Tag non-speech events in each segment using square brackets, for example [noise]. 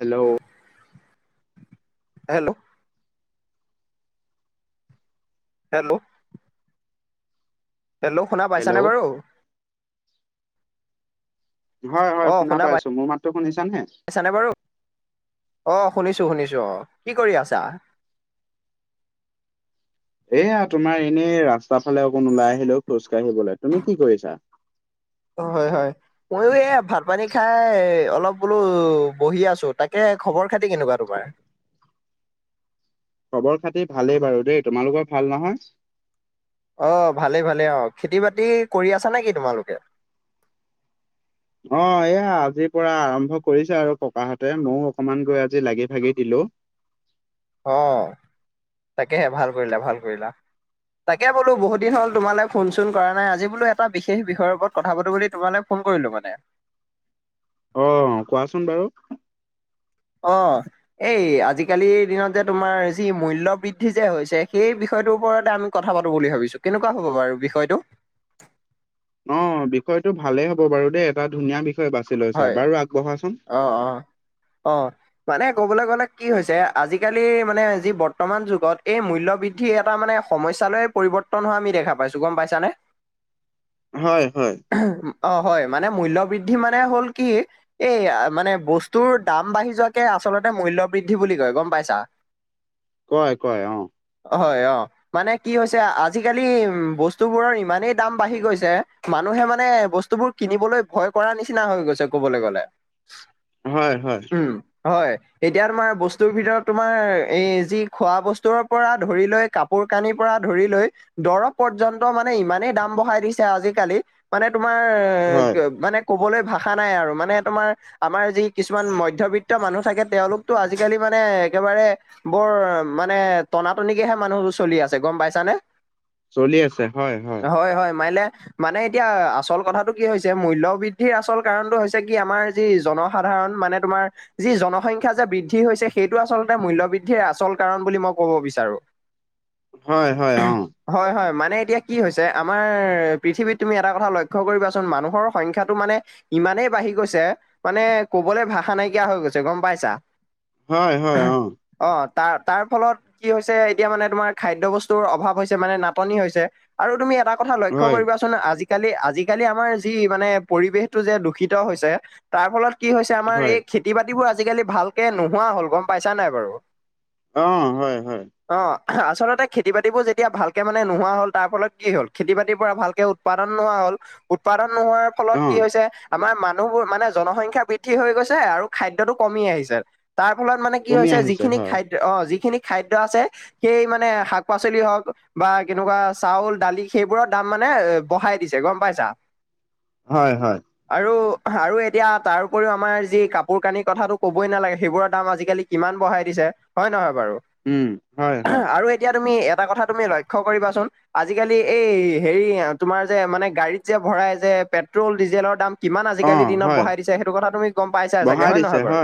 Hello, hello, hello, hello শুনা পাইছা hello নে বাৰু? হয় হয় শুনা পাইছো, মোৰ মাততো শুনিছা নে? শুনিছানে বাৰু? অ শুনিছো শুনিছো অ, কি কৰি আছা? এইয়া তোমাৰ এনেই ৰাস্তা ফালে অকণ উলাই আহিলো খোজ কাঢ়িবলে, তুমি কি কৰিছা? অঁ হয় হয়। মইয়ো এই ভাত পানী খায় অলপ বোলো বহি আছো, তাকে খবৰ খাতি কেনেকুৱা তোমাৰ? খবৰ খাতি ভালেই বাৰু দেই, তোমালোকৰ ভাল নহয়? অ ভালেই ভালেই অঁ, খেতি বাতি কৰি আছা নেকি তোমালোকে? অঁ এঅঁয়া আজিৰ পৰা আৰম্ভ কৰিছে আৰু ককাহঁতে, মইও অকমান গৈ আজি লাগি ভাগি দিলো। অঁ তাকেহে, ভাল কৰিলা ভাল কৰিলা। তাকে বোলো বহুত দিন হল তোমালে ফোন চোন কৰা নাই, আজি বোলো এটা বিশেষ বিষয়ৰ ওপৰত কথা পাতো বুলি তোমালে ফোন কৰিলো মানে। অঁ কোৱাচোন বাৰু। অঁ। এই আজিকালিৰ দিনত যে তোমাৰ যি মূল্য‌ বৃদ্ধি যে হৈছে, সেই বিষয়টোৰ ওপৰতে আমি কথা পাতো বুলি ভাবিছো, কেনেকুৱা হ'ব বাৰু বিষয়টো? অঁ বিষয়টো ভালেই হ'ব বাৰু দেই, এটা ধুনীয়া বিষয় বাছি লৈছা। বাৰু আগবঢ়াচোন। অঁ অঁ অঁ। মানে ক'বলৈ গ'লে কি হৈছে, আজিকালি মানে যি বৰ্তমান যুগত এই মূল্যবৃদ্ দ্ধি এটা মানে সমস্যালৈ পৰিৱৰ্তন হোৱা আমি দেখা পাইছো, গম পাইছানে? হয় হয়। অঁ হয়, মানে মূল্য বৃদ্ধি মানে হ'ল কি এই মানে বস্তুৰ দাম বাঢ়ি যোৱাকে আচলতে মূল্য বৃদ্ধি বুলি কয়, গম পাইছা? [inaudible] কয় কয় অঁ। হয় অঁ। মানে কি হৈছে, আজিকালি বস্তুবোৰৰ ইমানেই দাম বাঢ়ি গৈছে মানুহে মানে বস্তুবোৰ কিনিবলৈ ভয় কৰাৰ নিচিনা হৈ গৈছে, কবলে গলে। হয় হয়। উম হয়, এতিয়া তোমাৰ বস্তুৰ ভিতৰত তোমাৰ এই যি খোৱা বস্তুৰ পৰা ধৰি লৈ, কাপোৰ কানিৰ পৰা ধৰি লৈ দৰৱ পৰ্যন্ত মানে ইমানেই দাম বঢ়াই দিছে আজিকালি মানে তোমাৰ হয় এ মানে ক'বলৈ ভাষা নাই আৰু, মানে তোমাৰ আমাৰ যি কিছুমান মধ্যবিত্ত মানুহ থাকে তেওঁলোকতো আজিকালি মানে একেবাৰে বৰ মানে টনা নিকেহে মানুহবোৰ চলি আছে, গম পাইছানে? চলি আছে হয় হয় হয় মাৰিলে, মানে এতিয়া আচল কথাটো কি হৈছে মূল্যবৃ বৃদ্ধি আচল কাৰণটো হৈছে কি আমাৰ যি জনসাধাৰণ মানে তোমাৰ যি জনসংখ্যা যে বৃদ্ধি হৈছে সেইটো আচলতে মূল্য বৃদ্ধিৰ আচল কাৰণ বুলি মই কব বিচাৰো। [inaudible] হয় হয় অঁ। হয় হয় মানে এতিয়া কি হৈছে, আমাৰ পৃথিৱীত তুমি এটা কথা লক্ষ্য কৰিবাচোন মানুহৰ সংখ্যাত মানে ইমানেই বাঢ়ি গৈছে, মানে কবলৈ ভাষা নাইকীয়া হৈ গৈছে গম পাইছা। হয় হয় অঁ। অঁ তাৰ তাৰ ফলত কি হৈছে এতিয়া মানে তোমাৰ খাদ্য বস্তুৰ অভাৱ হৈছে মানে নাটনি হৈছে। আৰু তুমি এটা কথা লক্ষ্য হয় কৰিবাচোন আজিকালি আজিকালি আমাৰ যি মানে পৰিৱেশটো যে দূষিত হৈছে, তাৰ ফলত কি হৈছে আমাৰ হয় এই খেত তি বাতিবোৰ আজিকালি ভালকে নোহোৱা হ'ল, গম পাইছা নাই বাৰু? অঁ হয় হয়। অঁ আচলতে খেতি, বাতিবোৰ যেতিয়া ভালকে মানে নোহোৱা হ'ল, তাৰ ফলত কি হ'ল খেতি বাতিৰ পৰা ভালকে উৎ- পাদন নোহোৱা হ'ল, উৎপাদনৰ নোহোৱাৰ- ফলত কি অ', হৈছে? আমাৰ মানুহবোৰ মানে জনসংখ্যা বৃদ্ধি হৈ গৈছে আৰু খাদ্যতো কমি আহিছে। তাৰ ফলত মানে কি কমি হৈছে, আহিছে যিখিনি হয়, খাদ্য অ যিখিনি খাদ্য আছে- সেই মানে শাক পাচলি হওক বা কেনেকুৱা চাউল, দালি, সেইবোৰৰ দাম মানে এ বঢ়াই দিছে। তে গম পাইছা? হয় হয়। আৰু আৰু এতিয়া তাৰ উপৰিও আমাৰ যি কাপোৰ কানিৰ কথাটো ক'বই নালাগে, সেইবোৰৰ দাম আজিকালি- কিমান বঢ়াই দিছে হয় নহয় বাৰু? উম, হয়, হয়, আৰু এতিয়া তুমি এটা কথাত- তুমি লক্ষ্য কৰিবাচোন, - আজিকালি এই হেৰি তোমাৰ যে মানে গাড়ীত যে ভৰাই যে পেট্ৰল, ডিজেলৰ দাম- কিমান আজিকালি অ', দিনত হয়, বঢ়াই দিছে, সেইটো কথা তুমি গম পাইছা চাগে বঢ়াই হয় দিছে নহয় বাৰু?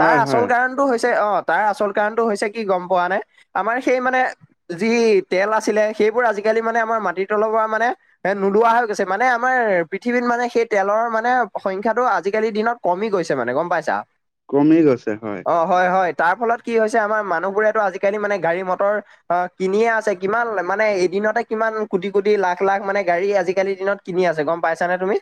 তাৰ হয়, আচল কাৰণ- টো হৈছে অঁ তাৰ আচল কাৰণটো হৈছে কি গম পোৱা নাই! আমাৰ সেই মানে- যি তেল আছিলে সেইবোৰ আজিকালি মানে আমাৰ মাটিৰ তলৰ পৰা মানে- এ নোলোৱা হৈ গৈছে, মানে আমাৰ- পৃথিৱীত মানে সেই তেলৰ মানে সংখ্যাটো আজিকালি দিনত কমি গৈছে মানে গম পাইছা? কমি গৈছে, হয়। অঁ হয় হয়, তাৰ ফলত কি হৈছে আমাৰ মানুহবোৰেতো আজিকালি মানে গাড়ী, মটৰ- অঁ কিনিয়ে আছে কিমান মানে এদিনতে কিমান কোটি -কোটি, লাখ- লাখ মানে গাড়ী আজিকালি দিনত কিনি আছে, গম- পাইছানে তুমি?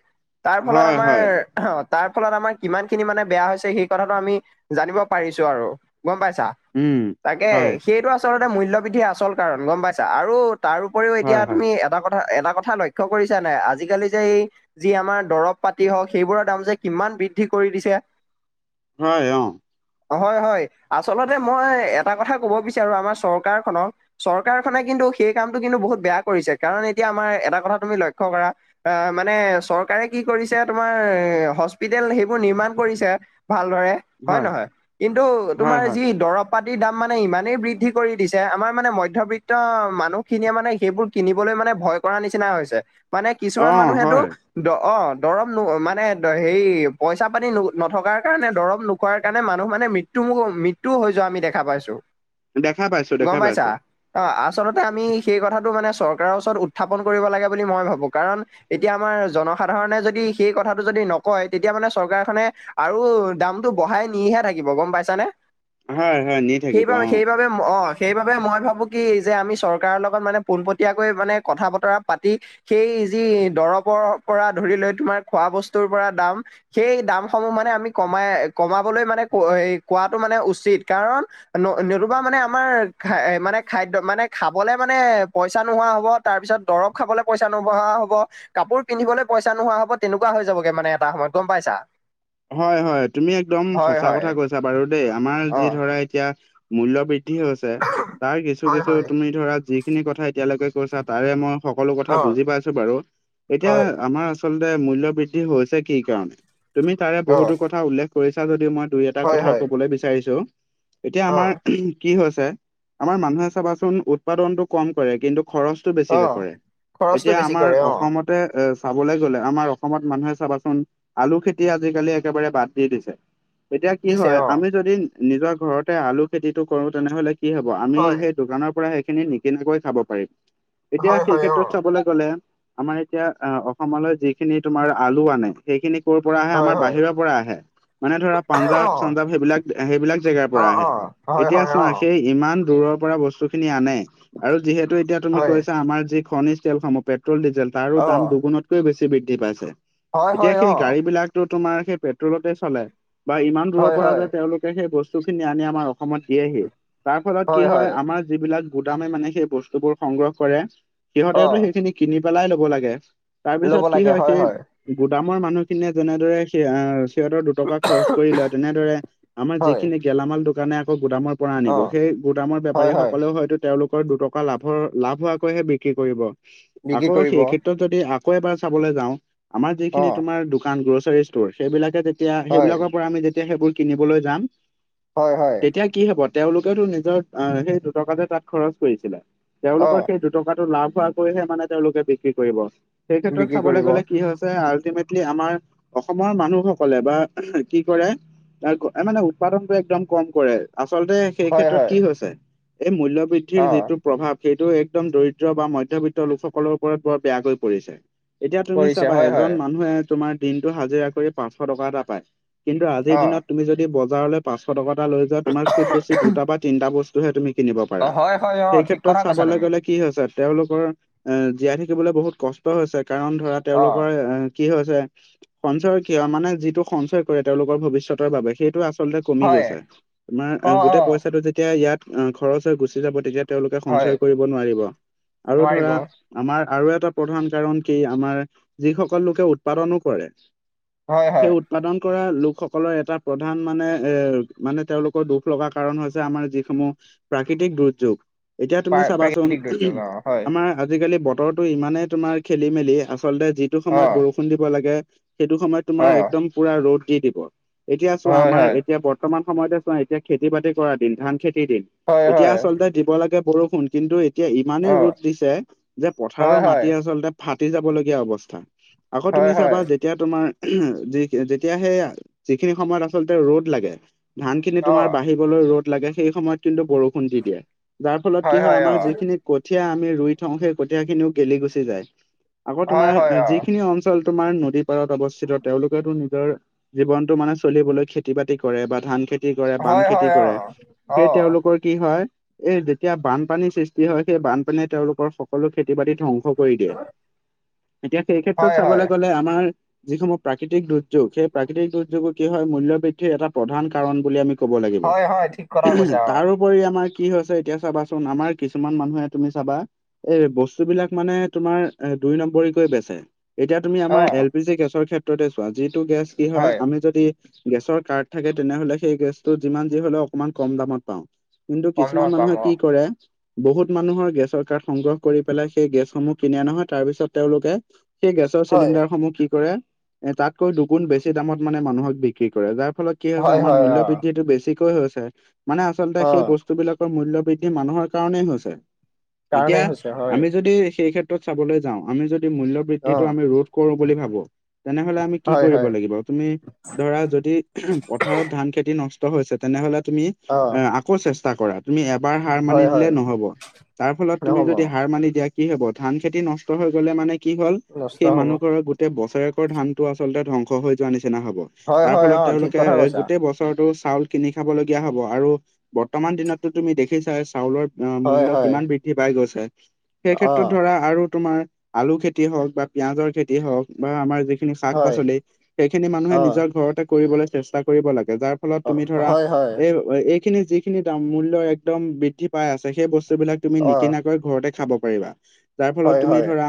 তাৰ ফলত হয়, হয়, আমাৰ- অঁ তাৰ ফলত আমাৰ কিমান খিনি মানে বেয়া হৈছে, সেই কথাটো আমি- জানিব পাৰিছো আৰু, গম পাইছাঁ। উম, তাকে, হয়। সেইটো আচলতে মূল্যবৃদ্ধিৰ আচল কাৰণ গম পাইছা। আৰু- তাৰ উপৰিও এতিয়া হয়, হয়, তুমি এটা কথা এটা কথা লক্ষ্য কৰিছা নাই আজিকালি- যে এই যি আমাৰ দৰব পাতি হওক সেইবোৰৰ দাম যে কিমান বৃদ্ধি কৰি দিছে। হয়, অঁ। হয় হয়, আচলতে মই এটা কথা ক'ব বিচাৰো আমাৰ চৰকাৰখনক, - চৰকাৰখনে কিন্তু সেই কামটো কিন্তু বহুত বেয়া কৰিছে, কাৰণ এতিয়া আমাৰ এটা কথা তুমি লক্ষ্য কৰা- আহ মানে চৰকাৰে কি কৰিছে তোমাৰ হস্পিতেল সেইবোৰ নিৰ্মাণ কৰিছে- ভালদৰে, হয় নহয়? কিন্তু হয়, তোমাৰ হয়, যি দৰৱ- পাতিৰ দাম মানে ইমানেই বৃদ্ধি কৰি দিছে আমাৰ মানে মধ্যত্ত মানুহখিনিয়ে মানে সেইবোৰ- কিনিবলৈ মানে ভয় কৰা নিচিনা হৈছে। মানে কিছুমান অ', হয়, মানুহেতো- দ অঁ দৰৱ ন মানে হেৰি পইচা পানী ন নথকাৰ কাৰণে দৰৱ নো- খোৱাৰ কাৰণে মানুহ মানে মৃত্যু মৃত্যু হৈ যোৱা আমি দেখা পাইছো। দেখা পাইছোঁ, গম দেখা পাইছাঁ। পাইছোঁ। অঁ আচলতে আমি সেই কথাটো মানে চৰকাৰৰ ওচৰত উত্থাপন কৰিব লাগে বুলি মই ভাবো। কাৰণ এতিয়া আমাৰ জনসাধাৰণে যদি সেই কথাটো যদি নকয়, তেতিয়া মানে চৰকাৰখনে- আৰু দামটো বঢ়াই নিহে থাকিব গম পাইছানে? হয়, হয়, নি থাকিব সেইবাবে অ'। সেইবাবে ম অঁ- সেইবাবে মই ভাবো কি যে আমি চৰকাৰৰ লগত মানে পোনপটীয়াকৈ মানে কথা বতৰা পাতি- সেই যি দৰৱৰ পৰা ধৰি লৈ তোমাৰ খোৱা বস্তুৰ পৰা দাম- সেই দামসমূহ মানে আমি কমাই কমাবলৈ মানে কোৱাটো মানে উচিত, কাৰণ- নতুবা মানে আমাৰ খ মানে খাদ্য মানে খাবলে মানে পইচা নোহোৱা হ'ব। তাৰ পিছত দৰৱ খাবলৈ পইচা নোহোৱা হ'ব। কাপোৰ পিন্ধিবলৈ পইচা নোহোৱা হ'ব তেনেকুৱা হৈ যাবগে মানে এটা সময়ত গম পাইছা। হয় হয় তুমি একদম হয় সঁচা হয় কথা কৈছা। বাৰু দেই আমাৰ অ যি ধৰা এতিয়া মূল্য বৃদ্ধি বৃদ্ধি হৈছে তাৰ কিছু- হয় কিছু হয় তুমি ধৰা যিখিনি কথা এতিয়ালৈকে কৈছা তাৰে মই সকলো কথা অ বুজি পাইছো বাৰু এতিয়া হয় আমাৰ আচলতে মূল্য বৃদ্ধি হৈছে কি কাৰণে। তুমি তাৰে অ বহুতো কথা উল্লেখ কৰিছা, যদিও মই দুই, এটা হয় কথা হয় ক'বলৈ বিচাৰিছো। এতিয়া অ আমাৰ কি হৈছে আমাৰ মানুহে চাবাচোন উৎপাদনতো কম কৰে। কিন্তু খৰচ অ বেছিকে কৰে। খৰচটো এতিয়া বেছি আমাৰ কৰে অ অসমত এ চাবলে গ'লে আমাৰ অসমত মানুহে চাবাচোন আলু খেতি আজিকালি একেবাৰে বাদ দি দিছে, এতিয়া কি দিছে হয় অ আমি যদি নিজৰ ঘৰতে আলু খেতিতো কৰো তেনেহলে কি হ'ব, আমি হয় সেই দোকানৰ পৰা সেইখিনি নিকিনাকৈ খাব পাৰিম? এতিয়া হয় সেই হয় অ ক্ষেত্ৰত চাবলৈ চাবলৈ গ'লে, আমাৰ এতিয়া অসমলৈ যিখিনি তোমাৰ আলু আনে, সেইখিনি কৰ পৰা আহে, হয় আমাৰ হয় বাহিৰৰ পৰা আহে। মানে ধৰা অ পাঞ্জাৱ-চাঞ্জাৱ সেইবিলাক- সেইবিলাক জেগাৰ পৰা আহে। এতিয়া হয়-হয়, চোৱা অহ সেই ইমান দূৰৰ পৰা বস্তু খিনি আনে আৰু যিহেতু এতিয়া তুমি হয় কৈছা, আমাৰ যি খনিজ তেলসমূহ পেট্ৰল, ডিজেল তাৰো অ দাম দুগুণত সেইটোৱে বেছি বৃদ্ধি পাইছে। হয় এতিয়া হয় অ সেই গাড়ী বিলাকোটো তোমাৰ সেই পেট্ৰলতে চলে। বা ইমান দূৰৰ হয় পৰা হয় যে তেওঁলোকে সেই বস্তু খিনি আনি, আমাৰ অসমত দিয়েহি। তাৰ ফলত কি হয়, আমাৰ যিবিলাক গুদামে মানে সেই বস্তুবোৰ সংগ্ৰহ কৰে। অ সিহঁতেতো সেইখিনি কিনি পেলাই ল'ব লাগে। তাৰ পিছত কি হয় সেই গুদামৰ মানুহখিনিয়ে যেনেদৰে সেই আহ সিহঁতৰ দুটকা খৰচ কৰি লয়, তেনেদৰে আমাৰ হয় যিখিনি গেলামাল দোকানে আকৌ গুদামৰ পৰা আনিব। অ সেই গুদামৰ হয় হয় বেপাৰীসকলেও হয়তো তেওঁলোকৰ দুটকা লাভৰ-লাভ হোৱাকৈহে বিক্ৰী কৰিব। বিক্ৰী আকৌ কৰিব সেই ক্ষেত্ৰত যদি আকৌ এবাৰ চাবলৈ যাওঁ, আমাৰ অ যিখিনি তোমাৰ কানগোচাৰেছৰ ষ্টোৰ, সেইবিলাকে তেতিয়া হয় সেইবিলাকৰ পৰা আমি যেতিয়া সেইবোৰ কিনিবলৈ যাম। হয় হয় তেতিয়া কি হ'ব, তেওঁলোকেওতো নিজৰ আহ সেই দুটকা তে তাত খৰচ কৰিছিলে। অ তেওঁলোকৰ সেই দুটকা টো লাভ হোৱাকৈহে মানে তেওঁলোকে বিক্ৰী কৰিব। সেই ক্ষেত্ৰত বিক্ৰী চাবলৈ কৰিব গ'লে কি হয় এই আল্টিমেটলি আমাৰ অসমৰ মানুহসকলে বাহ কি কৰে এই মানে উৎপাদনটো একদম কম কৰে। আচলতে সেই হয় ক্ষেত্ৰত হয় কি হৈছে, এই মূল্য বৃদ্ধিৰ অ যিটো প্ৰভাৱ, সেইটো একদম দৰিদ্ৰ বা মধ্যবিত্ত লোকসকলৰ ওপৰত বৰ বেয়াকৈ পৰিছে। এতিয়া তুমি কৰিছে চাবা হয় এজন হয় মানুহে তোমাৰ দিনটো হাজিৰা কৰি পাঁচশ টকা এটা পায়। কিন্তু আজিৰ অ দিনত তুমি যদি বজাৰলৈ পাঁচশ টকা এটা লৈ যোৱা, তোমাৰ খুব বেছি দুটা বা তিনিটা বস্তু টোহে তুমি কিনিব অ পাৰা। হয় হয় অ ঠিক সেইক্ষেত্ৰত কথা কৈছা চাবলৈ তুমি গ'লে কি হৈছে তেওঁলোকৰ এ জীয়াই থাকিবলৈ বহুত কষ্ট হৈছে। কাৰণ ধৰা অ তেওঁলোকৰ এ কি হৈছে সঞ্চয় কিয় মানে যিটো সঞ্চয় কৰে তেওঁলোকৰ ভৱিষ্যতৰ বাবে সেইটো আছে। আচলতে কমি হয় গৈছে, তোমাৰ অ অ গোটেই পইচাটো যেতিয়া ইয়াত খৰচ হৈ গুচি যাব তেতিয়া তেওঁলোকে হয় সঞ্চয় কৰিব নোৱাৰিব। আৰু নোৱাৰিব ধৰা আমাৰ আৰু এটা প্ৰধান কাৰণ কি আমাৰ যিসকল লোকে উৎপাদনো কৰে। হয় সেই হয় উৎ উৎপাদন কৰা লোকসকলৰ এটা প্ৰধান মানে এ মানে তেওঁলোকৰ দুখ লগা কাৰণ হৈছে আমাৰ যিসমূহ প্ৰাকৃতিক দুৰ্যোগ। এতিয়া প্ৰা তুমি চাবাচোন প্ৰাকৃতিক দুৰ্যোগ অ হয় আমাৰ আজিকালি বতৰত টো ইমানেই তোমাৰ খেলি-মেলি আচলতে যিটো অ সময়ত বৰষুণ দিব লাগে, সেইটো সময়ত তোমাৰ একদম অ পুৰা ৰ'দ দি দিব। এতিয়া চোৱা হয় আমাৰ হয় এতিয়া বৰ্তমান সময়তে চোৱা এতিয়া খেতি-বাতি কৰা দিন, ধান খেতিৰ দিন হয় এতিয়া হয় আচলতে দিব লাগে বৰষুণ, কিন্তু এতিয়া ইমানেই অ ৰ'দ দিছে যে পথাৰৰ হয় মাটি হয় আচলতে ফাটি যাবলগীয়া অৱস্থা। আকৌ তুমি হয় চাবা হয় যেত তিয়া তোমাৰ, যি যেতিয়া সেই যিখিনি সময়ত আচলতে ৰ'দ লাগে ধান খিনি অ তোমাৰ বাঢ়িবলৈ ৰ'দ লাগে, সেই সময়ত কিন্তু বৰষুণ দি দিয়ে। যাৰ ফলত কি হয়, আমাৰ যিখিনি কঠীয়া আমি ৰুই থওঁ, সেই কঠীয়া খিনিও গেলি পচি যায়। আকৌ হয় তোমাৰ, আ হয় অ যিখিনি অঞ্চল তোমাৰ নদীত পৰত অৱস্থিত তেওঁলোকেতো নিজৰ জীৱনটো মানে চলিবলৈ খেতি-বাতি কৰে বা ধান খেত তি কৰে, বাম হয় খেতি হয় কৰে। অ অ সেই তেওঁলোকৰ কি হয় এই যেতিয়া বানপানীৰ সৃষ্টি হয়, সেই বানপানীয়ে তেওঁলোকৰ সকলো খেতি-বাতি ধ্বংস কৰি দিয়ে। এতিয়া সেই হয় ক্ষেত্ৰত হয় চাবলে গ'লে আমাৰ যিসমূহ প্ৰাকৃতিক দুৰ্যোগ সেই প্ৰাকৃতিক দুৰ্যোগো কি হয় মূল্য বৃদ্ধিৰ এটা প্ৰধান কাৰণ বুলি আমি কব লাগিব হয় হয় ঠিক কথা কৈছা অ তাৰো উপৰি আমাৰ কি হৈছে এতিয়া চাবাচোন আমাৰ কিছুমান মানুহে তুমি চাবা এই বস্তু বিলাক মানে তোমাৰ এ দুই নম্বৰীকৈ বেচে এতিয়া তুমি অ আমাৰ এল পি জি গেছৰ ক্ষেত্ৰতে চোৱা যিটো গেছ কি হয় আমি যদি গেছৰ কাৰ্ড থাকে তেনেহলে সেই গেছটো যিমান যি হলও অকমান কম দামত পাওঁ কিন্তু কম কিছুমান দামত পাম মানুহে অ কি কৰে বহুত মানুহৰ গেছৰ কাৰ্ড সংগ্ৰহ কৰি পেলাই সেই গেছসমূহ কিনে নহয় তাৰ পিছত তেওঁলোকে সেই গেছৰ হয় চিলিণ্ডাৰসমূহ কি কৰে এ তাতকৈ দুগুণ বেছি দামত মানে মানুহক বিক্ৰী কৰে যাৰ ফলত কি হৈছে হয় আমাৰ হয় অ মূল্যবৃদ দ্ধিটো বেছিকৈ হৈছে মানে আচলতে অ সেই বচ স্তু বিলাকৰ মূল্য বৃদ্ধি মানুহৰ কাৰণেই হৈছে এতিয়া কাৰণেই হৈছে হয় আমি যদি সেই ক্ষেত ত্ৰত চাবলৈ যাওঁ আমি যদি মূল্য অ বৃদ্ধিটো আমি ৰোধ কৰো বুলি ভাবো তেনেহলে আমি কি হয় কৰিব হয় লাগিব তুমি ধৰা যদি পথাৰত ধান খেতি নষ্ট হৈছে তেনেহলে তুমি অ এ আকৌ চেষ্টা কৰা তুমি এবাৰ হাৰ মানি হয় হয় দিলে নহব তাৰ ফলত তুমি নহ'ব যদি সাৰ মানি দিয়া কি হব ধান খেতি নষ্ট হৈ গ'লে মানে কি হ'ল নষ্ট সেই হ'ব মানুহ ঘৰৰ গোটেই বছ ছৰেকৰ ধানটো আচলতে ধংস হৈ যোৱা নিচিনা হব হয় তাৰ হয় ফলত অ ঠিক তেওঁলোকে কথা এ কৈছা গোটেই বছৰতো চাউল কিনি খাবলগীয়া হ'ব আৰু বৰ্তমান দিনততো তুমি দেখিছাই চাউলৰ অ হয় মূল্য হয় কিমান বৃদ দ্ধি পাই গৈছে সেই অ ক্ষেত্ৰত ধৰা আৰু তোমাৰ আলু খেতি হওক বা পিয়াজৰ খেতি হওক বা আমাৰ যিখিনি শাক হয় পাচলি সেইখিনি মানুহে অ নিজৰ ঘৰতে কৰিবলৈ চেষ্টা কৰিব লাগে যাৰ ফলত অ তুমি ধৰা হয় হয় এই অ এইখিনি যিখিনি দাম মূল্য একদম বৃদ্ধি পাই আছে সেই বস্তু বিলাক তুমি অ নিকিনা কৈ ঘৰতে খাব পাৰিবা যাৰ ফলত হয় তুমি হয় ধৰা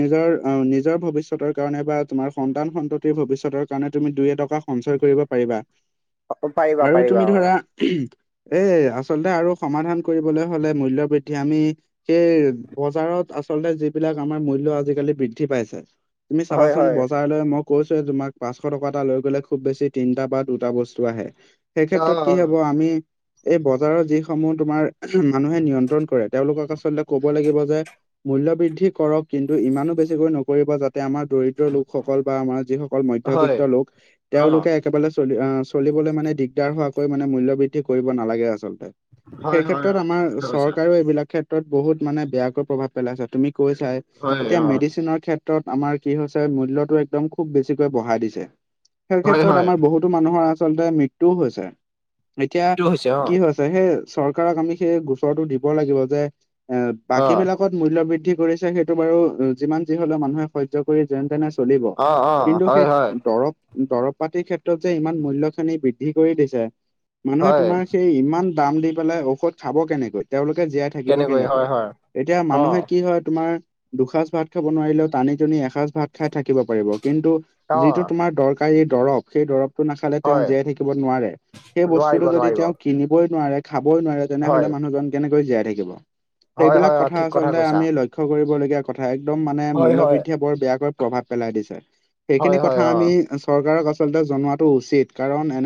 নিজৰ অ নিজৰ ভৱিষ্যতৰ কাৰনে বা তোমাৰ সন্তান সন্ততিৰ ভিষ্যতৰ কাৰণে তুমি দুই এটকা সঞ্চয় কৰিব পাৰিবা পাৰিবা আৰু পাৰিবা তুমি অ ধৰা এ আচলতে আৰু সমাধান কৰিবলৈ হলে মূল্য বৃদ্ধি আমি সেই বজাৰত আচলতে যিবিলাক আমাৰ মূল্য আজিকালি বৃদ্ধি পাইছে তুমি হয় চাবাচোন হয় বজাৰ লৈ মোক কৈছোয়ে তোমাক পাঁচশ টকা এটা লৈ গ'লে খুব বেছি তিনটা বা দুটা বস্তু আহে সেই অ ক্ষেত্ৰত কি হব আমি এই বজাৰৰ যিসমূহ তোমাৰ মানুহে নিয়ন্ত্ৰণ কৰে তেওঁলোকক আচলতে ক'ব লাগিব যে মূল্য বৃদ্ধি কৰক কিন্তু ইমানো বেছিকৈ নকৰিব যাত তে আমাৰ দৰিদ্ৰ লোকসকল বা আমাৰ যিসকল হয় মধ্যবিত্ত লোক অ তেওঁলোকে একেবালে চলি আঁহ চলিবলৈ মানে দিগদাৰ হোৱাকৈ মানে মূল্য বৃদ্ধি কৰিব নালাগে আচলতে। হয় সেই হয় ক্ষেত্ৰত অ ঠিক আমাৰ কথা কৈছা চৰকাৰেও এইবিলাক ক্ষেত্ৰ- তত বহুত মানে বেয়াকৈ প্ৰভাৱ পেলাইছে তুমি কৈছাই, হয় এতিয়া অ মেডিচেনৰ ক্ষেত- আমাৰ কি হৈছে মূল্যতো একদম খুব বেছিকৈ বঢ়াই দিছে, সেই হয় ক্ষেত্ৰত হয় আমাৰ বহুত- টো মানুহৰ আচলতে মৃত্যুও হৈছে, এতিয়া মৃত্যু হৈছে অ কি হৈছ- সেই চৰকাৰক আমি সেই গোচৰটো দিব লাগিব যে এ অ বাকী বিলাকত- মূল্য বৃদ্ধি কৰিছে সেইটো বাৰু যিমান যি হলেও মানুহে- ধায্য কৰি যেন তেনে চলিব, অ অ কিন্তু হয় সেই হয় দৰৱ- দৰব পাতিৰ ক্ষেত্ৰত যে ইমান মূল্য় খানি বৃদ্ধি কৰি দিছে, মানুহে হয় তোমাৰ সেই ইমান- দাম দি পেলাই ঔষধ খাব কেনেকৈ? তেওঁলোকে জীয়াই- থাকিব তেনেকৈ কেনেকৈ? হয় হয় এতিয়া অ মানুহে কি হয় তোমাৰ দুসাজ ভাত খাব নোৱাৰিলেও- টানি টোনি এসাজ ভাত খাই থাকিব পাৰিব, কিন্তু অ যিটো তোমাৰ দৰকাৰ দৰব সেই দৰৱ- টো নাখালে তেওঁ হয় জীয়াই থাকিব নোৱাৰে, সেই নোৱাৰিব বস্তুটো যদি নোৱাৰিব তেওঁ কিনিবই নোৱাৰে খাবই নোৱাৰে- তেনেহলে হয় মানুহজন কেনেকৈ জীয়াই থাকিব? হয় সেইবিলাক হয় অ কথা ঠিক আচলতে কৈছা আমি লক্ষ- ক্ষ্য কৰিবলগীয়া কথা, একদম মানে হয় হয় মূল্যয়বৃদ্ধিয়ে বৰ বেয়াকৈ প্ৰভাৱ পেলাই দিছে। সেইখিনি হয় কথা হয় অ আমি চৰকাৰক আচলতে জনোৱাটো উচিত, কাৰণ এনে-